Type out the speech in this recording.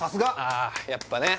あやっぱね